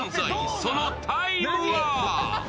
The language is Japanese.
そのタイムは？